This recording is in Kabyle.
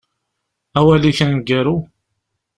Awal-ik aneggaru?